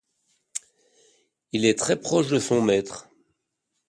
Il est très proche de son maître.